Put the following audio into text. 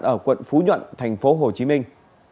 ở quận phú nhuận thành phố hồ chí minh